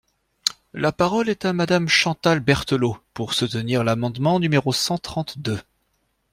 La parole est à Madame Chantal Berthelot, pour soutenir l’amendement numéro cent trente-deux.